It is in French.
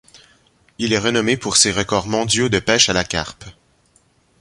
Il est renommé pour ses records mondiaux de pêche à la carpe.